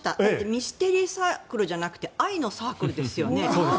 ミステリーサークルじゃなくて愛のサークルですよね。